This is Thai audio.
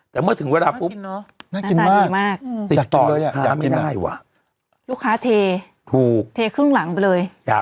เทครึ่งหลังไปเลย